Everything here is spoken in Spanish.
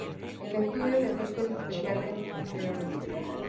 El estudio de efectos especiales Mr.